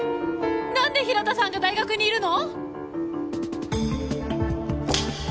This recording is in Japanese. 何で日向さんが大学にいるの！？